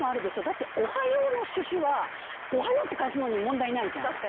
だって「おはよう」の「シュシュ」は「おはよう」って返すのに問題ないじゃん。